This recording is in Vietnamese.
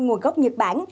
nguồn gốc nhật bản